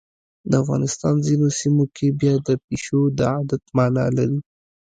د افغانستان ځینو سیمو کې بیا د پیشو د عادت مانا لري.